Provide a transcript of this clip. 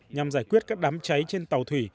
nhằm giải quyết các đám cháy trên tàu thủy